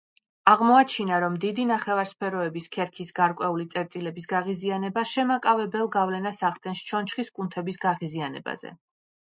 აღმოაჩინა, რომ დიდი ნახევარსფეროების ქერქის გარკვეული წერტილების გაღიზიანება შემაკავებელ გავლენას ახდენს ჩონჩხის კუნთების გაღიზიანებაზე.